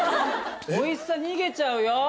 おいしさ逃げちゃうよ